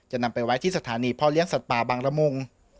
นำไปไว้ที่สถานีพ่อเลี้ยงสัตว์ป่าบางละมุง